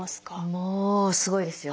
もうすごいですよ。